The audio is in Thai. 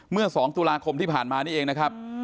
เมื่อ๒ตุลาคมที่ผ่านมานี่เองนะครับ